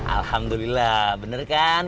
alhamdulillah bener kan